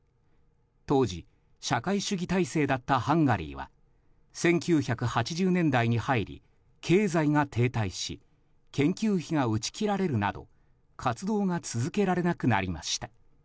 当時、社会主義体制だったハンガリーは１９８０年に入り経済が停滞し研究費が打ち切られるなど活動が続けられなくなりました。